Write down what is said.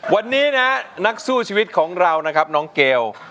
วันนี้นะนักสู้ชีวิตของเรานะครับน้องเกล